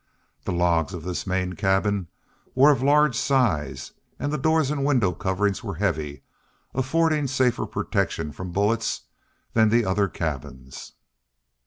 The logs of this main cabin were of large size, and the doors and window coverings were heavy, affording safer protection from bullets than the other cabins.